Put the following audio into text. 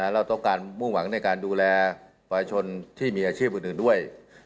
เราต้องการมุ่งหวังในการดูแลประชาชนที่มีอาชีพอื่นด้วย